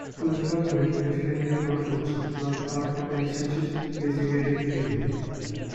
To the southwest is Schneider Crossroads, not part of any census-designated area.